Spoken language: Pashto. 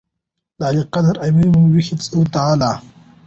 د عاليقدر اميرالمؤمنين حفظه الله تعالی